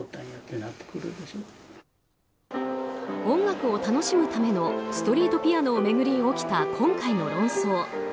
音楽を楽しむためのストリートピアノを巡り起きた今回の論争。